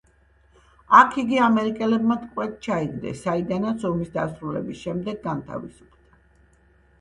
აქ იგი ამერიკელებმა ტყვედ ჩაიგდეს, საიდანაც ომის დასრულების შემდეგ განთავისუფლდა.